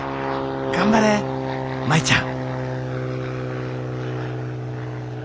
頑張れ舞ちゃん！